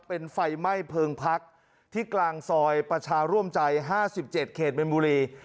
เป็นไฟไหม้เพลิงพักที่กลางซอยประชาร่วมใจ๕๗เขตมินบุรี